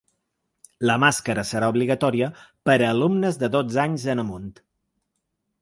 La màscara serà obligatòria per a alumnes de dotze anys en amunt.